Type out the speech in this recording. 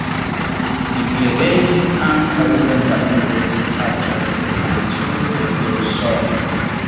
Li prelegis ankaŭ en la universitatoj de Francujo kaj de Usono.